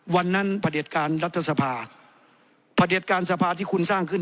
ประเด็จการรัฐสภาประเด็จการสภาที่คุณสร้างขึ้น